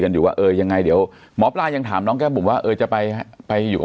อยู่ว่าเออยังไงเดี๋ยวหมอปลายังถามน้องแก้มบุ๋มว่าเออจะไปไปอยู่กับ